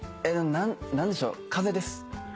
何でしょう風です。